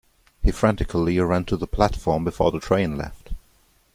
He frantically ran to the platform before the train left.